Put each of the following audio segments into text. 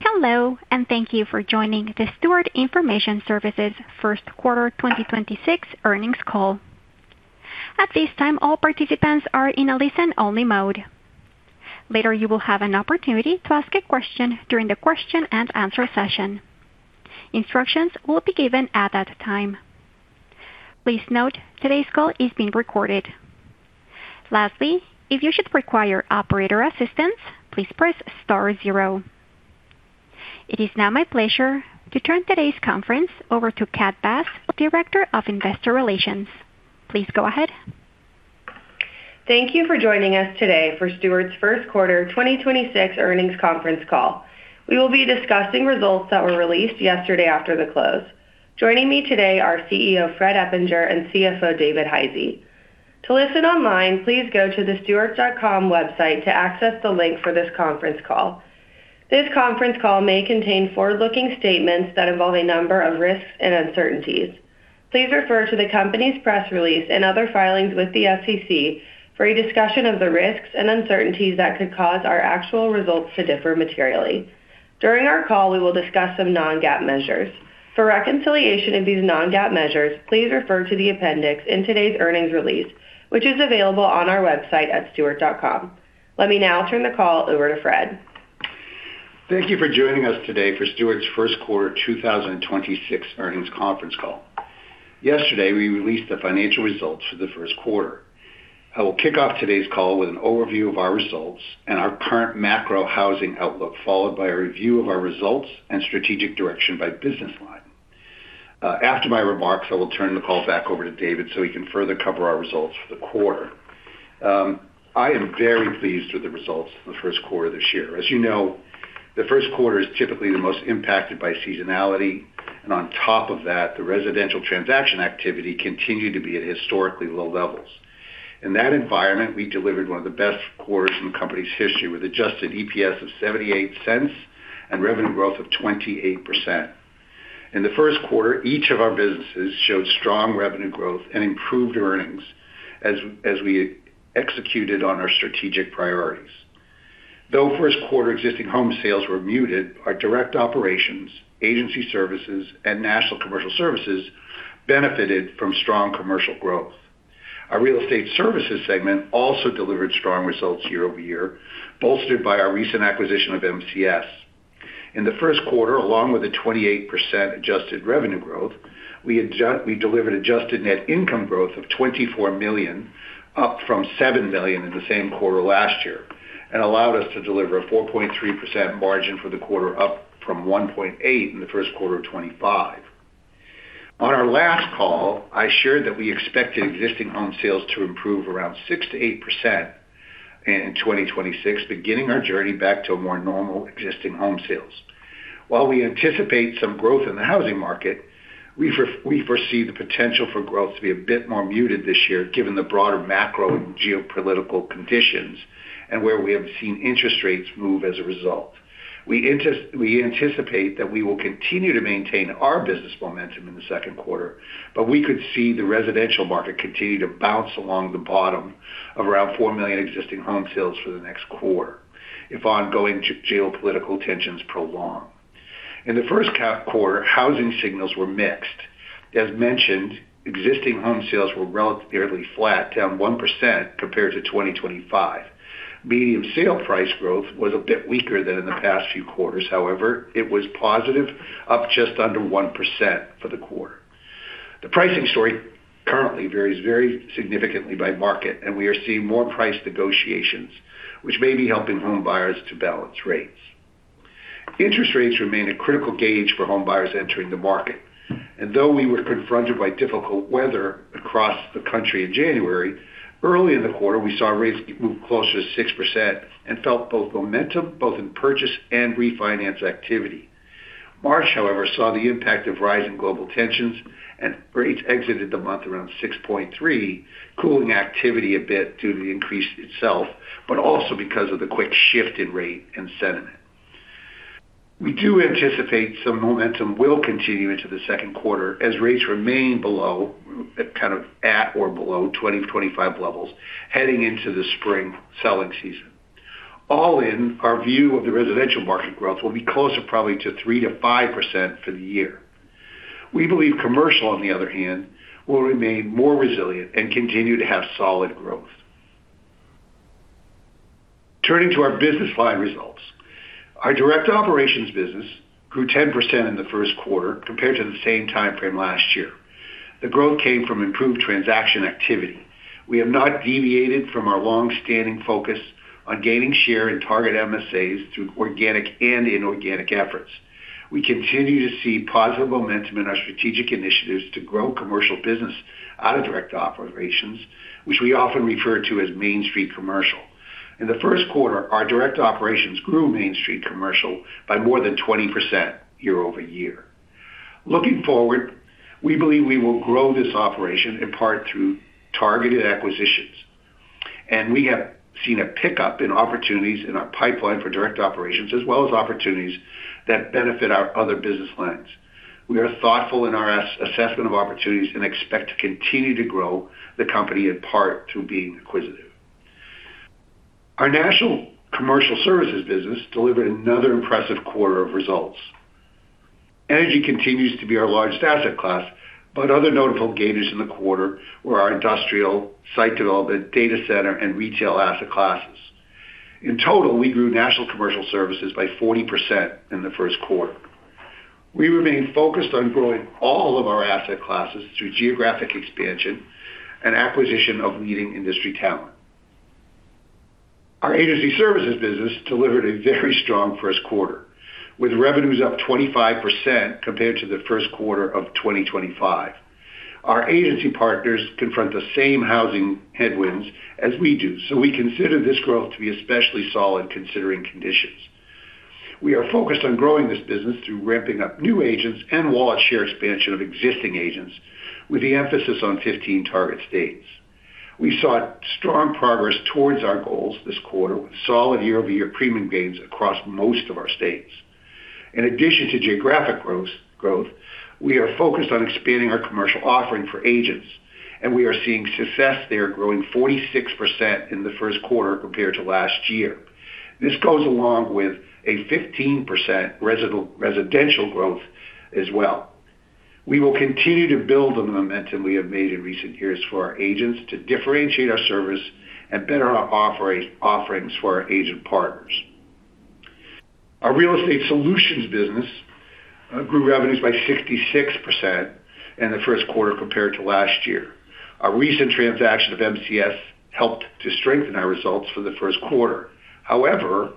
Hello, and thank you for joining the Stewart Information Services first quarter 2026 earnings call. At this time, all participants are in a listen-only mode. Later, you will have an opportunity to ask a question during the Q&A session. Instructions will be given at that time. Please note, today's call is being recorded. Lastly, if you should require operator assistance, please press star zero. It is now my pleasure to turn today's conference over to Kat Bass, Director of Investor Relations. Please go ahead. Thank you for joining us today for Stewart's first quarter 2026 earnings conference call. We will be discussing results that were released yesterday after the close. Joining me today are CEO Fred Eppinger and CFO David Hisey. To listen online, please go to the stewart.com website to access the link for this conference call. This conference call may contain forward-looking statements that involve a number of risks and uncertainties. Please refer to the company's press release and other filings with the SEC for a discussion of the risks and uncertainties that could cause our actual results to differ materially. During our call, we will discuss some non-GAAP measures. For reconciliation of these non-GAAP measures, please refer to the appendix in today's earnings release, which is available on our website at stewart.com. Let me now turn the call over to Fred. Thank you for joining us today for Stewart's first quarter 2026 earnings conference call. Yesterday, we released the financial results for the first quarter. I will kick off today's call with an overview of our results and our current macro housing outlook, followed by a review of our results and strategic direction by business line. After my remarks, I will turn the call back over to David so he can further cover our results for the quarter. I am very pleased with the results for the first quarter this year. As you know, the first quarter is typically the most impacted by seasonality. On top of that, the residential transaction activity continued to be at historically low levels. In that environment, we delivered one of the best quarters in the company's history, with adjusted EPS of $0.78 and revenue growth of 28%. In the first quarter, each of our businesses showed strong revenue growth and improved earnings as we executed on our strategic priorities. Though first quarter existing home sales were muted, our direct operations, agency services, and national commercial services benefited from strong commercial growth. Our real estate services segment also delivered strong results year-over-year, bolstered by our recent acquisition of MCS. In the first quarter, along with a 28% adjusted revenue growth, we delivered adjusted net income growth of $24 million, up from $7 million in the same quarter last year, and allowed us to deliver a 4.3% margin for the quarter, up from 1.8% in the first quarter of 2025. On our last call, I shared that we expected existing home sales to improve around 6%-8% in 2026, beginning our journey back to a more normal existing home sales. While we anticipate some growth in the housing market, we foresee the potential for growth to be a bit more muted this year, given the broader macro and geopolitical conditions and where we have seen interest rates move as a result. We anticipate that we will continue to maintain our business momentum in the second quarter, but we could see the residential market continue to bounce along the bottom of around 4 million existing home sales for the next quarter if ongoing geopolitical tensions prolong. In the first quarter, housing signals were mixed. As mentioned, existing home sales were relatively flat, down 1% compared to 2025. Median sale price growth was a bit weaker than in the past few quarters. However, it was positive, up just under 1% for the quarter. The pricing story currently varies very significantly by market, and we are seeing more price negotiations, which may be helping home buyers to balance rates. Interest rates remain a critical gauge for home buyers entering the market. Though we were confronted by difficult weather across the country in January, early in the quarter, we saw rates move closer to 6% and felt momentum both in purchase and refinance activity. March, however, saw the impact of rising global tensions and rates exited the month around 6.3%, cooling activity a bit due to the increase itself, but also because of the quick shift in rate and sentiment. We do anticipate some momentum will continue into the second quarter as rates remain below, kind of at or below 2025 levels heading into the spring selling season. All in our view of the residential market growth will be closer probably to 3%-5% for the year. We believe commercial, on the other hand, will remain more resilient and continue to have solid growth. Turning to our business line results. Our direct operations business grew 10% in the first quarter compared to the same time frame last year. The growth came from improved transaction activity. We have not deviated from our longstanding focus on gaining share in target MSAs through organic and inorganic efforts. We continue to see positive momentum in our strategic initiatives to grow commercial business out of direct operations, which we often refer to as Main Street Commercial. In the first quarter, our direct operations grew Main Street Commercial by more than 20% year-over-year. Looking forward, we believe we will grow this operation in part through targeted acquisitions. We have seen a pickup in opportunities in our pipeline for direct operations as well as opportunities that benefit our other business lines. We are thoughtful in our assessment of opportunities and expect to continue to grow the company in part through being acquisitive. Our national commercial services business delivered another impressive quarter of results. Energy continues to be our largest asset class, but other notable gainers in the quarter were our industrial, site development, data center, and retail asset classes. In total, we grew national commercial services by 40% in the first quarter. We remain focused on growing all of our asset classes through geographic expansion and acquisition of leading industry talent. Our agency services business delivered a very strong first quarter, with revenues up 25% compared to the first quarter of 2025. Our agency partners confront the same housing headwinds as we do, so we consider this growth to be especially solid considering conditions. We are focused on growing this business through ramping up new agents and wallet share expansion of existing agents, with the emphasis on 15 target states. We saw strong progress towards our goals this quarter with solid year-over-year premium gains across most of our states. In addition to geographic growth, we are focused on expanding our commercial offering for agents, and we are seeing success there, growing 46% in the first quarter compared to last year. This goes along with a 15% residential growth as well. We will continue to build on the momentum we have made in recent years for our agents to differentiate our service and better our offerings for our agent partners. Our real estate solutions business grew revenues by 66% in the first quarter compared to last year. Our recent transaction of MCS helped to strengthen our results for the first quarter. However,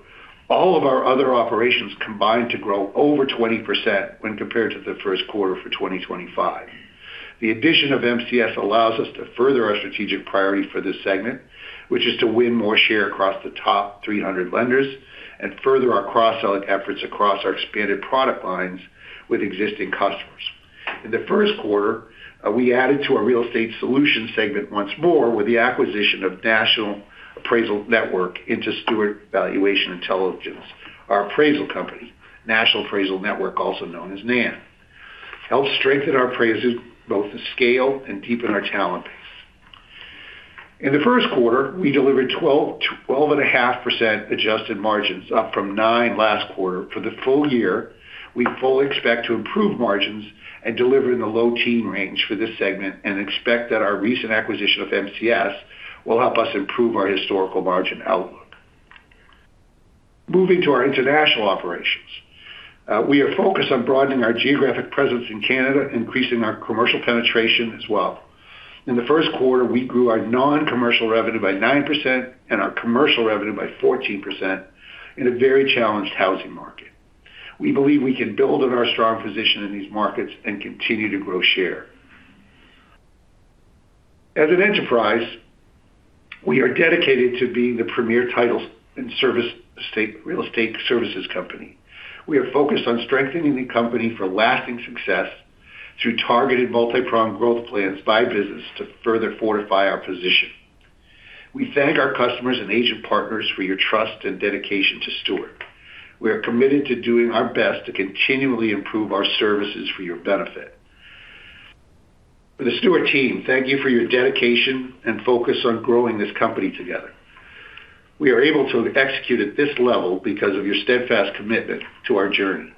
all of our other operations combined to grow over 20% when compared to the first quarter for 2025. The addition of MCS allows us to further our strategic priority for this segment, which is to win more share across the top 300 lenders and further our cross-selling efforts across our expanded product lines with existing customers. In the first quarter, we added to our real estate solutions segment once more with the acquisition of Nationwide Appraisal Network into Stewart Valuation Intelligence. Our appraisal company, Nationwide Appraisal Network, also known as NAN, helped strengthen our appraisals, both the scale and deepen our talent base. In the first quarter, we delivered 12.5% adjusted margins, up from 9% last quarter. For the full year, we fully expect to improve margins and deliver in the low teen range for this segment and expect that our recent acquisition of MCS will help us improve our historical margin outlook. Moving to our international operations. We are focused on broadening our geographic presence in Canada, increasing our commercial penetration as well. In the first quarter, we grew our non-commercial revenue by 9% and our commercial revenue by 14% in a very challenged housing market. We believe we can build on our strong position in these markets and continue to grow share. As an enterprise, we are dedicated to being the premier title and real estate services company. We are focused on strengthening the company for lasting success through targeted multi-pronged growth plans by business to further fortify our position. We thank our customers and agent partners for your trust and dedication to Stewart. We are committed to doing our best to continually improve our services for your benefit. For the Stewart team, thank you for your dedication and focus on growing this company together. We are able to execute at this level because of your steadfast commitment to our journey.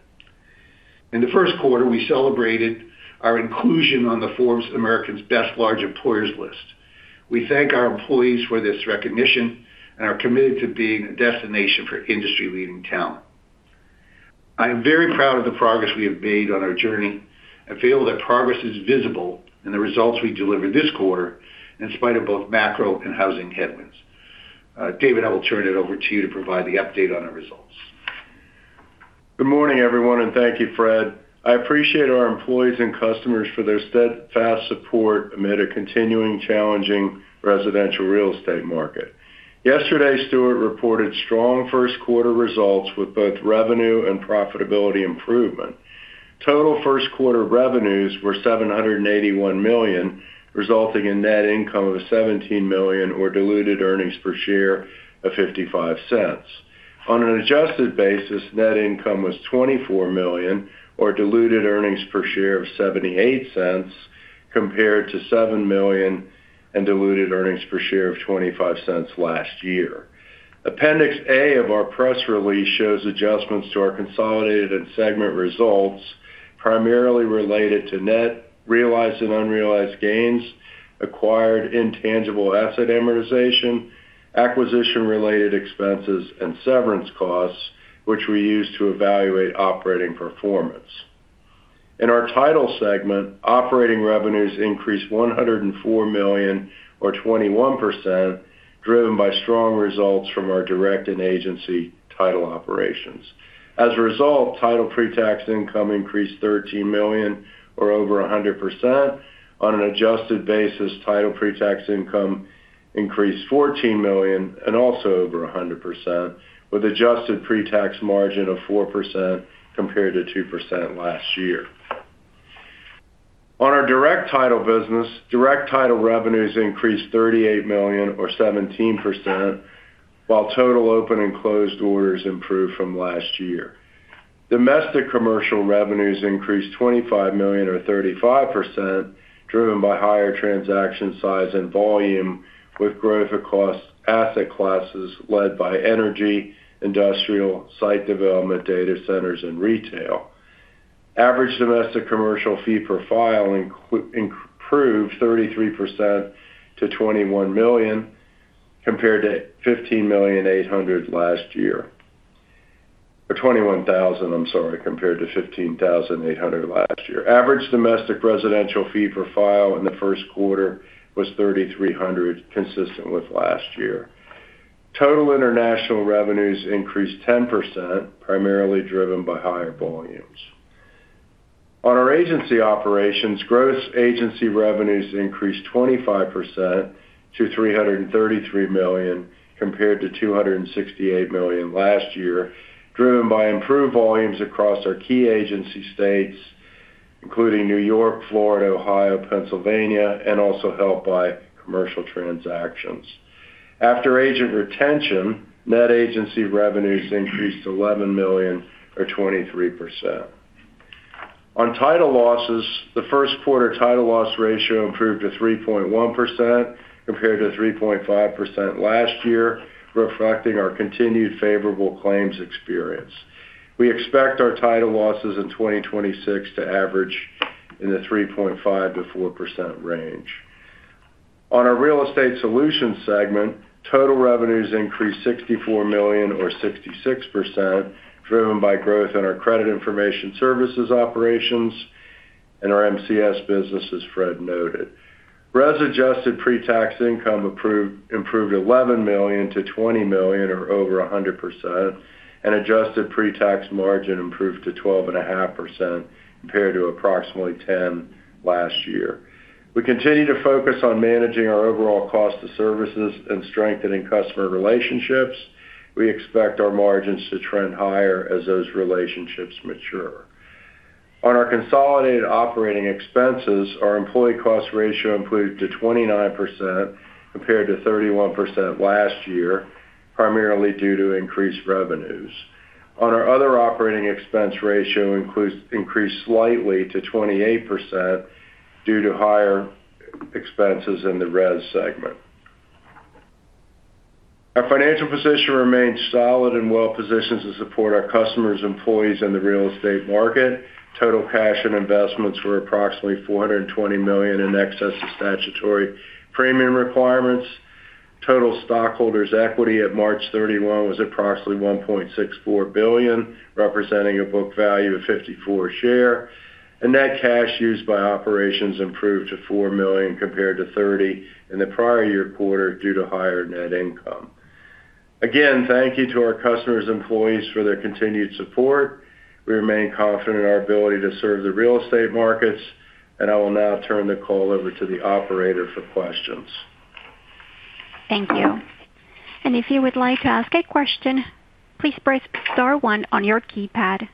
In the first quarter, we celebrated our inclusion on the Forbes America's Best Large Employers list. We thank our employees for this recognition and are committed to being a destination for industry-leading talent. I am very proud of the progress we have made on our journey and feel that progress is visible in the results we delivered this quarter in spite of both macro and housing headwinds. David, I will turn it over to you to provide the update on our results. Good morning, everyone, and thank you, Fred. I appreciate our employees and customers for their steadfast support amid a continuing challenging residential real estate market. Yesterday, Stewart reported strong first quarter results with both revenue and profitability improvement. Total first quarter revenues were $781 million, resulting in net income of $17 million or diluted earnings per share of $0.55. On an adjusted basis, net income was $24 million or diluted earnings per share of $0.78, compared to $7 million and diluted earnings per share of $0.25 last year. Appendix A of our press release shows adjustments to our consolidated and segment results, primarily related to net realized and unrealized gains, acquired intangible asset amortization, acquisition-related expenses, and severance costs, which we use to evaluate operating performance. In our title segment, operating revenues increased $104 million or 21%, driven by strong results from our direct and agency title operations. As a result, title pre-tax income increased $13 million or over 100%. On an adjusted basis, title pre-tax income increased $14 million and also over 100%, with adjusted pre-tax margin of 4% compared to 2% last year. On our direct title business, direct title revenues increased $38 million or 17%, while total open and closed orders improved from last year. Domestic commercial revenues increased $25 million or 35%, driven by higher transaction size and volume with growth across asset classes led by energy, industrial, site development, data centers, and retail. Average domestic commercial fee per file improved 33% to $21 million compared to $15.8 million last year. Or $21,000, I'm sorry, compared to $15,800 last year. Average domestic residential fee per file in the first quarter was $3,300, consistent with last year. Total international revenues increased 10%, primarily driven by higher volumes. On our agency operations, gross agency revenues increased 25% to $333 million, compared to $268 million last year, driven by improved volumes across our key agency states, including New York, Florida, Ohio, Pennsylvania, and also helped by commercial transactions. After agent retention, net agency revenues increased to $11 million or 23%. On title losses, the first quarter title loss ratio improved to 3.1% compared to 3.5% last year, reflecting our continued favorable claims experience. We expect our title losses in 2026 to average in the 3.5%-4% range. On our real estate solutions segment, total revenues increased $64 million or 66%, driven by growth in our credit information services operations and our MCS business, as Fred noted. RES adjusted pre-tax income improved $11 million-$20 million or over 100%, and adjusted pre-tax margin improved to 12.5% compared to approximately 10%. Last year. We continue to focus on managing our overall cost of services and strengthening customer relationships. We expect our margins to trend higher as those relationships mature. On our consolidated operating expenses, our employee cost ratio improved to 29% compared to 31% last year, primarily due to increased revenues. On our other operating expense ratio increased slightly to 28% due to higher expenses in the RES segment. Our financial position remains solid and well-positioned to support our customers, employees, and the real estate market. Total cash and investments were approximately $420 million in excess of statutory premium requirements. Total stockholders' equity at March 31 was approximately $1.64 billion, representing a book value of $54 a share. Net cash used by operations improved to $4 million compared to $30 million in the prior year quarter due to higher net income. Again, thank you to our customers and employees for their continued support. We remain confident in our ability to serve the real estate markets, and I will now turn the call over to the operator for questions. Thank you. If you would like to ask a question, please press star one on your keypad.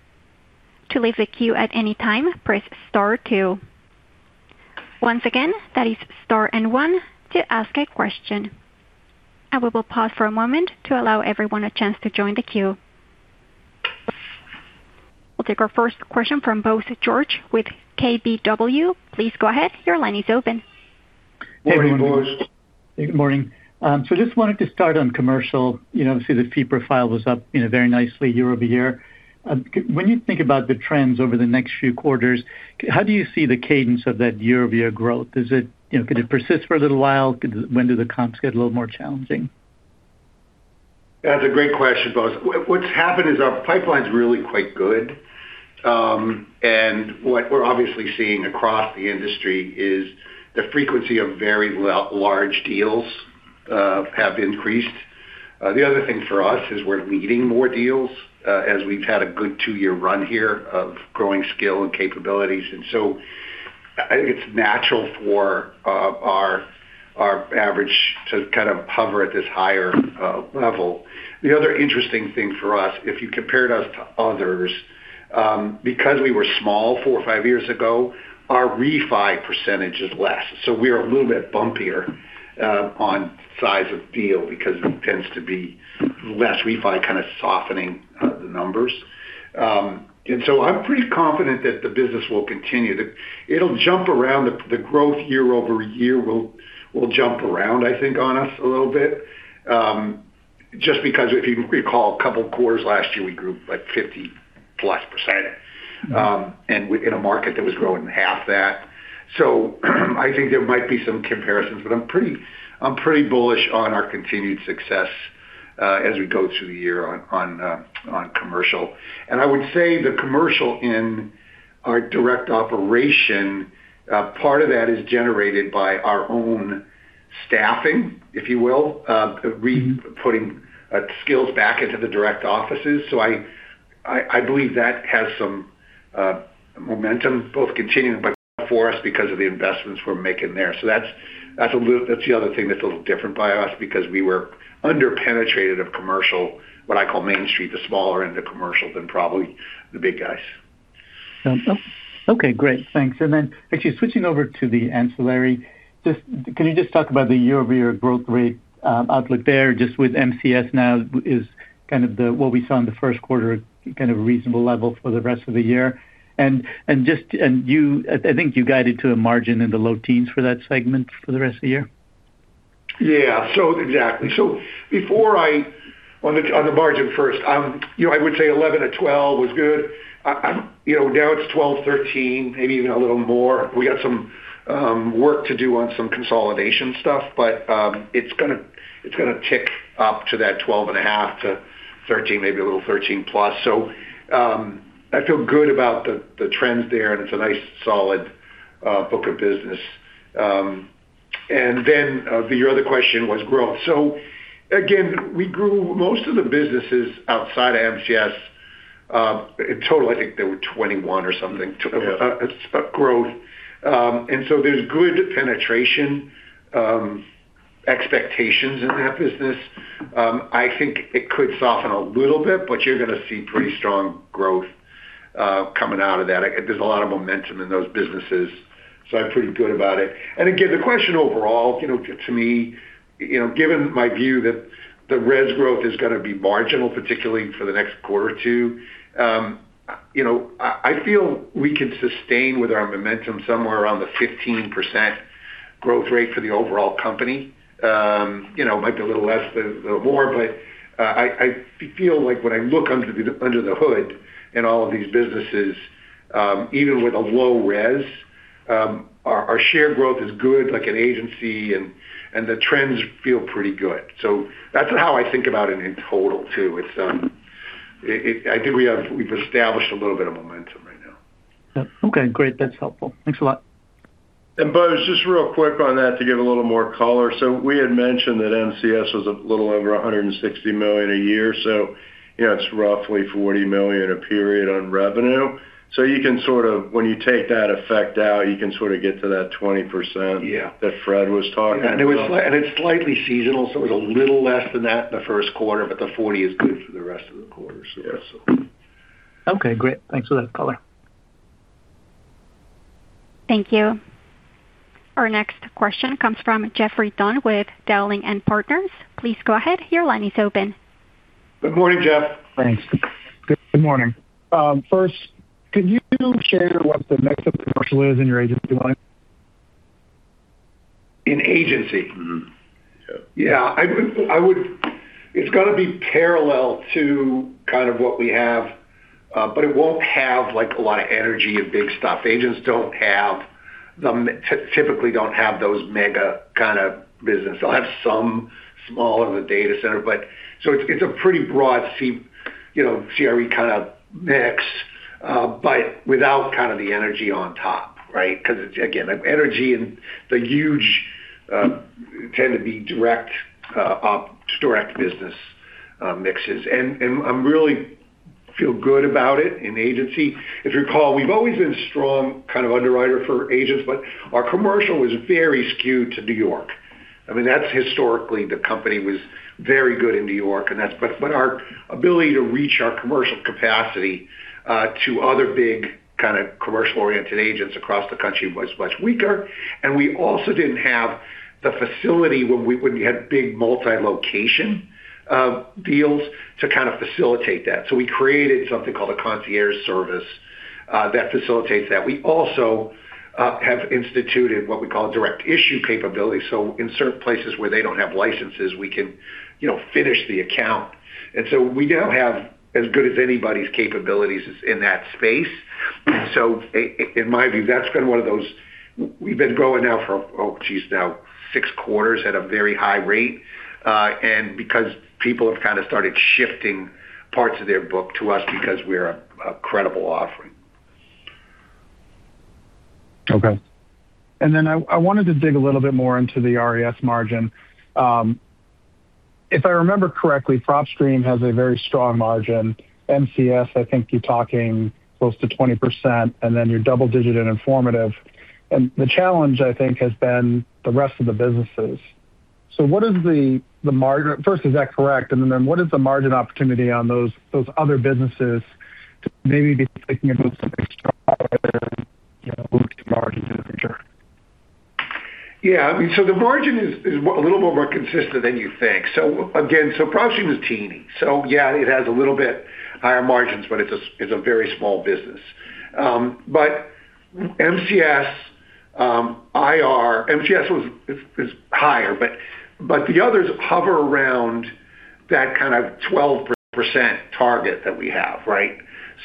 To leave the queue at any time, press star two. Once again, that is star and one to ask a question. We will pause for a moment to allow everyone a chance to join the queue. We'll take our first question from Bose George with KBW. Please go ahead. Your line is open. Hey, Bose. Good morning. Just wanted to start on commercial. Obviously, the fee profile was up very nicely year-over-year. When you think about the trends over the next few quarters, how do you see the cadence of that year-over-year growth? Could it persist for a little while? When do the comps get a little more challenging? That's a great question, Bose. What's happened is our pipeline's really quite good. What we're obviously seeing across the industry is the frequency of very large deals have increased. The other thing for us is we're leading more deals as we've had a good two-year run here of growing skill and capabilities. I think it's natural for our average to kind of hover at this higher level. The other interesting thing for us, if you compared us to others, because we were small four or five years ago, our refi percentage is less. We are a little bit bumpier on size of deal because there tends to be less refi kind of softening the numbers. I'm pretty confident that the business will continue. It'll jump around. The growth year-over-year will jump around, I think, on us a little bit. Just because if you recall a couple quarters last year, we grew 50%+. Mm-hmm. In a market that was growing half that. I think there might be some comparisons, but I'm pretty bullish on our continued success as we go through the year on commercial. I would say the commercial in our direct operation, part of that is generated by our own staffing, if you will, re-putting skills back into the direct offices. I believe that has some momentum, both continuing but for us because of the investments we're making there. That's the other thing that's a little different by us because we were under-penetrated of commercial, what I call Main Street, the smaller end of commercial than probably the big guys. Okay, great. Thanks. Actually switching over to the ancillary, can you just talk about the year-over-year growth rate outlook there just with MCS now is kind of what we saw in the first quarter kind of a reasonable level for the rest of the year. I think you guided to a margin in the low teens for that segment for the rest of the year. Yeah. Exactly. On the margin first, I would say 11% or 12% was good. Now it's 12%-13%, maybe even a little more. We got some work to do on some consolidation stuff, but it's going to tick up to that 12.5%-13%, maybe a little 13%+. I feel good about the trends there, and it's a nice solid book of business. Then your other question was growth. Again, we grew most of the businesses outside of MCS. In total, I think there were 21% or something- Yeah growth. There's good penetration expectations in that business. I think it could soften a little bit, but you're going to see pretty strong growth coming out of that. There's a lot of momentum in those businesses, so I'm pretty good about it. Again, the question overall to me, given my view that the RES growth is going to be marginal, particularly for the next quarter or two, I feel we can sustain with our momentum somewhere around the 15% growth rate for the overall company. Might be a little less than a little more, but I feel like when I look under the hood in all of these businesses, even with a low RES, our share growth is good, like an agency, and the trends feel pretty good. That's how I think about it in total, too. I think we've established a little bit of momentum right now. Okay, great. That's helpful. Thanks a lot. Bud, just real quick on that to give a little more color. We had mentioned that MCS was a little over $160 million a year, so it's roughly $40 million a period on revenue. When you take that effect out, you can sort of get to that 20%. Yeah, that Fred was talking about. It's slightly seasonal, so it was a little less than that in the first quarter, but the $40 million is good for the rest of the quarter. Yes. Okay, great. Thanks for that color. Thank you. Our next question comes from Geoffrey Dunn with Dowling & Partners. Please go ahead. Your line is open. Good morning, Geoffrey. Thanks. Good morning. First, could you share what the mix of commercial is in your agency line? In agency? Mm-hmm. Yeah. It's got to be parallel to kind of what we have, but it won't have a lot of energy and big stuff. Agents typically don't have those mega kind of business. They'll have some small in the data center, but so it's a pretty broad CRE kind of mix, but without kind of the energy on top, right? Because, again, energy and the huge tend to be direct business mixes. I really feel good about it in agency. If you recall, we've always been a strong kind of underwriter for agents, but our commercial was very skewed to New York. I mean, that's historically the company was very good in New York, but our ability to reach our commercial capacity to other big kind of commercial-oriented agents across the country was much weaker. We also didn't have the facility when we had big multi-location deals to kind of facilitate that. We created something called a concierge service that facilitates that. We also have instituted what we call direct issue capability. In certain places where they don't have licenses, we can finish the account. We now have as good as anybody's capabilities in that space. In my view, that's been one of those, we've been growing now for, now six quarters at a very high rate. Because people have kind of started shifting parts of their book to us because we're a credible offering. Okay. I wanted to dig a little bit more into the RES margin. If I remember correctly, PropStream has a very strong margin. MCS, I think you're talking close to 20%, and then you're double digit and Informative. The challenge I think has been the rest of the businesses. First, is that correct? What is the margin opportunity on those other businesses to maybe be thinking about something stronger, moving to margin in the future? Yeah. The margin is a little more consistent than you think. Again, PropStream is teeny, so yeah, it has a little bit higher margins, but it's a very small business. MCS is higher, but the others hover around that kind of 12% target that we have, right?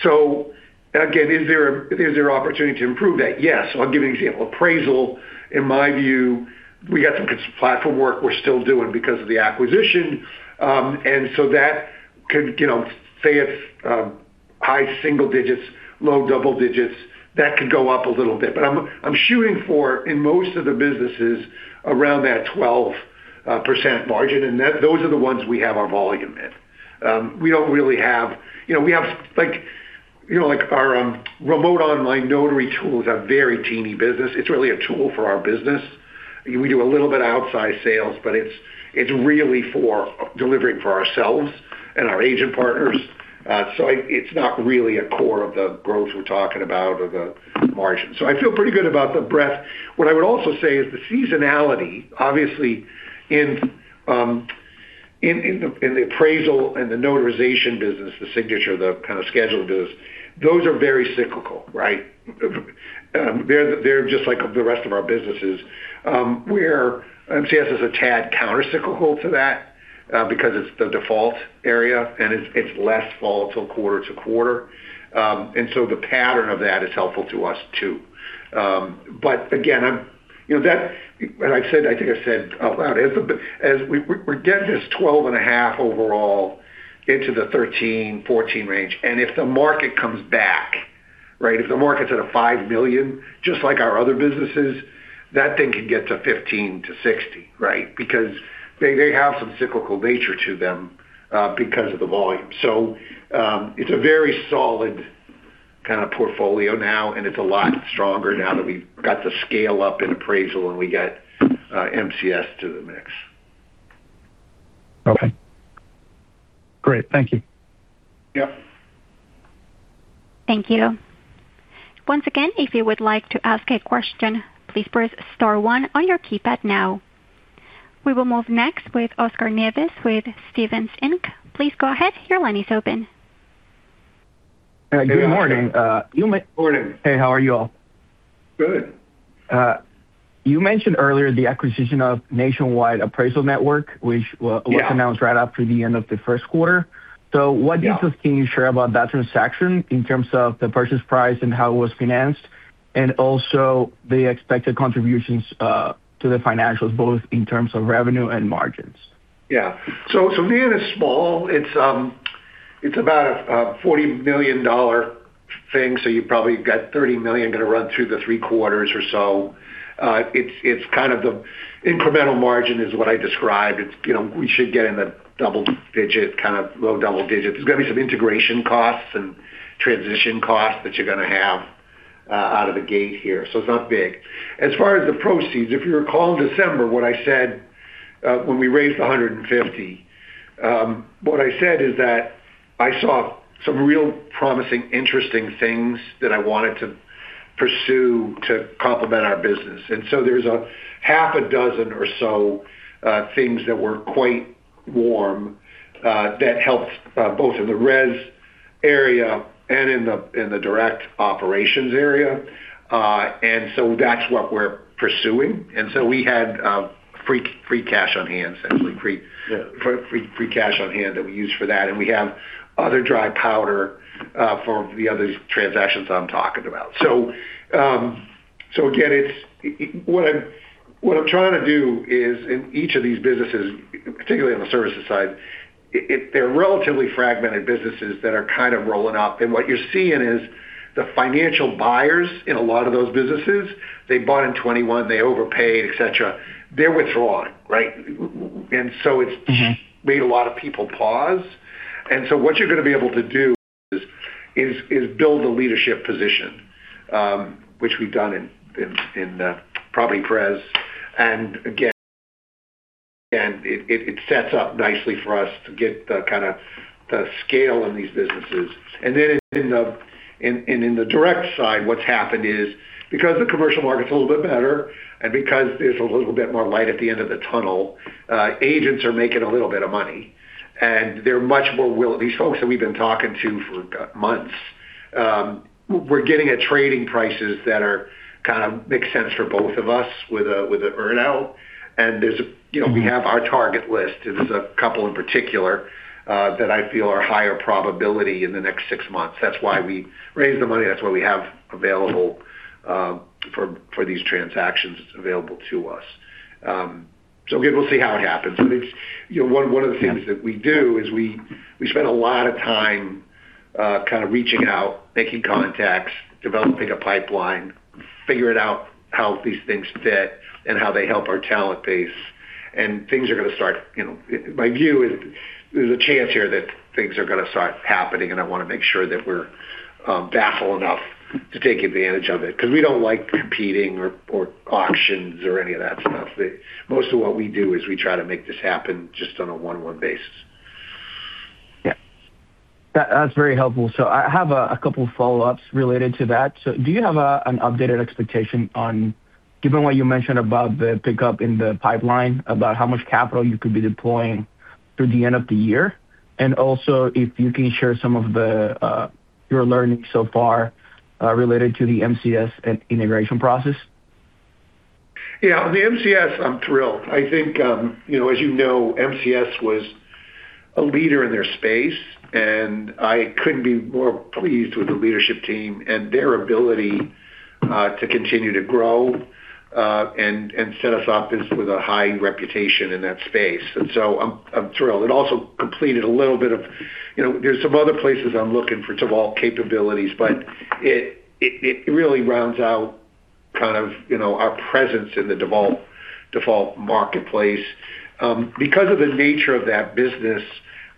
Again, is there an opportunity to improve that? Yes. I'll give you an example. Appraisal, in my view, we got some platform work we're still doing because of the acquisition. That could, say it's high single digits, low double digits, that could go up a little bit. I'm shooting for, in most of the businesses, around that 12% margin, and those are the ones we have our volume in. Our remote online notary tool is a very teeny business. It's really a tool for our business. We do a little bit of outside sales, but it's really for delivering for ourselves and our agent partners. It's not really a core of the growth we're talking about or the margin. I feel pretty good about the breadth. What I would also say is the seasonality, obviously in the appraisal and the notarization business, the signature, the kind of schedule business, those are very cyclical, right? They're just like the rest of our businesses. Where MCS is a tad counter-cyclical to that, because it's the default area and it's less volatile quarter to quarter. The pattern of that is helpful to us too. Again, I think I said as we're getting this 12.5% overall into the 13%-14% range, and if the market comes back, right, if the market's at a 5 million, just like our other businesses, that thing could get to 15%-60%, right? Because they have some cyclical nature to them, because of the volume. It's a very solid kind of portfolio now, and it's a lot stronger now that we've got the scale up in appraisal, and we got MCS to the mix. Okay. Great. Thank you. Yep. Thank you. Once again, if you would like to ask a question, please press star one on your keypad now. We will move next with Oscar Nieves with Stephens Inc. Please go ahead. Your line is open. Good morning. Morning. Hey, how are you all? Good. You mentioned earlier the acquisition of Nationwide Appraisal Network. Yeah... which was announced right after the end of the first quarter. What details can you share about that transaction in terms of the purchase price and how it was financed? Also the expected contributions to the financials, both in terms of revenue and margins. Yeah. NAN is small. It's about a $40 million thing, so you probably got $30 million going to run through the three quarters or so. It's kind of the incremental margin is what I described. We should get in the double digit, kind of low double digits. There's going to be some integration costs and transition costs that you're going to have out of the gate here, so it's not big. As far as the proceeds, if you recall in December, what I said when we raised the $150 million is that I saw some real promising, interesting things that I wanted to pursue to complement our business. There's a half a dozen or so things that were quite warm that helped both in the RES area and in the direct operations area. That's what we're pursuing. We had free cash on hand, essentially. Yeah Free cash on hand that we used for that. We have other dry powder for the other transactions I'm talking about. Again, what I'm trying to do is in each of these businesses, particularly on the services side, they're relatively fragmented businesses that are kind of rolling up. What you're seeing is the financial buyers in a lot of those businesses, they bought in 2021, they overpaid, et cetera. They're withdrawing, right? It's- Mm-hmm... made a lot of people pause. What you're going to be able to do is build a leadership position, which we've done in Property Pres. Again, it sets up nicely for us to get the scale in these businesses. In the direct side, what's happened is because the commercial market's a little bit better and because there's a little bit more light at the end of the tunnel, agents are making a little bit of money. These folks that we've been talking to for months, we're getting at trading prices that kind of make sense for both of us with an earn-out. We have our target list. There's a couple in particular that I feel are higher probability in the next six months. That's why we raised the money. That's why we have available for these transactions, it's available to us. Again, we'll see how it happens. One of the things that we do is we spend a lot of time reaching out, making contacts, developing a pipeline, figuring out how these things fit and how they help our talent base and things are gonna start. My view is there's a chance here that things are gonna start happening, and I wanna make sure that we're staffed enough to take advantage of it because we don't like competing or auctions or any of that stuff. Most of what we do is we try to make this happen just on a one-on-one basis. Yeah. That's very helpful. I have a couple follow-ups related to that. Do you have an updated expectation on, given what you mentioned about the pickup in the pipeline, about how much capital you could be deploying through the end of the year? And also if you can share some of your learning so far, related to the MCS and integration process. Yeah. The MCS, I'm thrilled. I think, as you know, MCS was a leader in their space, and I couldn't be more pleased with the leadership team and their ability to continue to grow, and set us up with a high reputation in that space. I'm thrilled. There's some other places I'm looking for default capabilities, but it really rounds out kind of our presence in the default marketplace. Because of the nature of that business,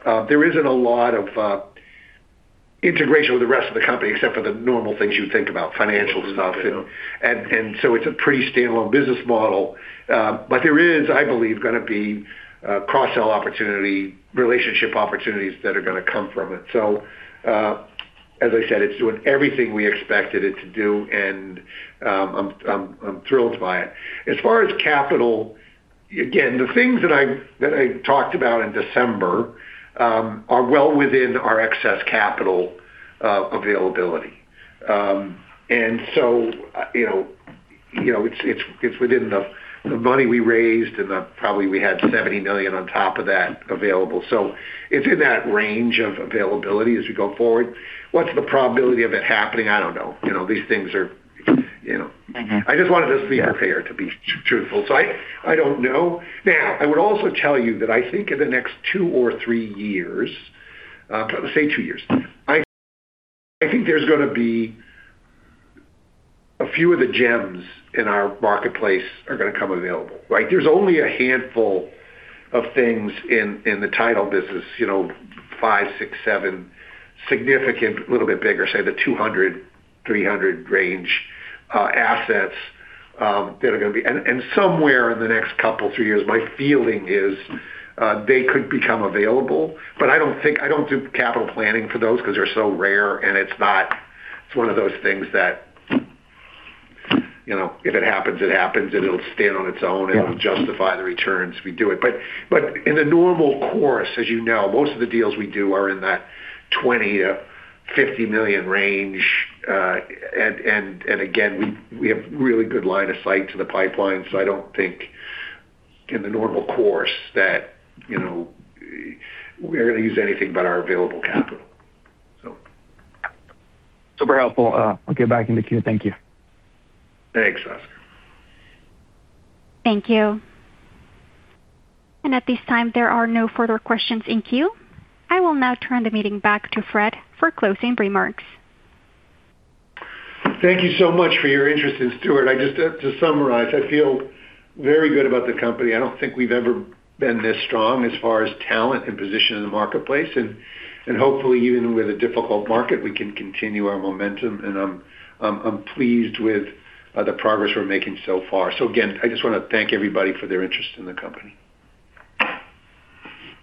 there isn't a lot of integration with the rest of the company, except for the normal things you would think about, financial stuff. It's a pretty standalone business model. There is, I believe, gonna be a cross-sell opportunity, relationship opportunities that are gonna come from it. As I said, it's doing everything we expected it to do, and I'm thrilled by it. As far as capital, again, the things that I talked about in December are well within our excess capital availability. It's within the money we raised, and probably we had $70 million on top of that available. It's in that range of availability as we go forward. What's the probability of it happening? I don't know. These things are Mm-hmm. I just wanted us to be prepared, to be truthful. I don't know. Now, I would also tell you that I think in the next two or three years, let's say two years, I think there's gonna be a few of the gems in our marketplace are gonna come available, right? There's only a handful of things in the title business, five, six, seven, significant, a little bit bigger, say, the 200-300 range, assets, that are gonna be. Somewhere in the next couple, three years, my feeling is they could become available. But I don't do capital planning for those because they're so rare, and it's one of those things that if it happens, it happens, and it'll stand on its own. Yeah It'll justify the returns if we do it. In the normal course, as you know, most of the deals we do are in that $20 million-$50 million range. Again, we have really good line of sight to the pipeline, so I don't think in the normal course that we're gonna use anything but our available capital. Super helpful. I'll get back in the queue. Thank you. Thanks, Oscar. Thank you. At this time, there are no further questions in queue. I will now turn the meeting back to Fred for closing remarks. Thank you so much for your interest. Stewart, just to summarize, I feel very good about the company. I don't think we've ever been this strong as far as talent and position in the marketplace. Hopefully, even with a difficult market, we can continue our momentum, and I'm pleased with the progress we're making so far. Again, I just want to thank everybody for their interest in the company.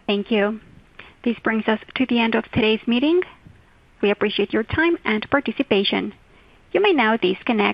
Thank you. This brings us to the end of today's meeting. We appreciate your time and participation. You may now disconnect.